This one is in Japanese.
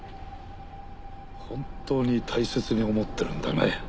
本当に大切に思ってるんだね